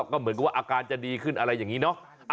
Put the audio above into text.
ก็เหมือนกับว่าอาการจะดีขึ้นอะไรอย่างนี้เนาะ